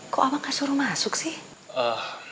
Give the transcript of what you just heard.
kok abang gak suruh masuk sih